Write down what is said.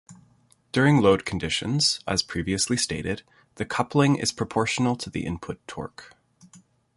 During load conditions, as previously stated, the coupling is proportional to the input torque.